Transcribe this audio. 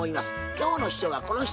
今日の秘書はこの人。